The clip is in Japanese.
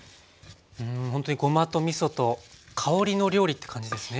うんほんとにごまとみそと香りの料理って感じですね